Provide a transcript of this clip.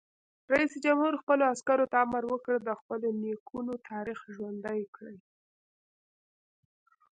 رئیس جمهور خپلو عسکرو ته امر وکړ؛ د خپلو نیکونو تاریخ ژوندی کړئ!